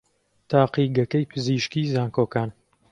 تاقیگەکەی پزیشکیی زانکۆکان